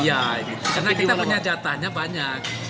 iya karena kita punya jatahnya banyak